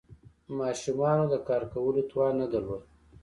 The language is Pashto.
ماشومانو د کار کولو توان نه درلود.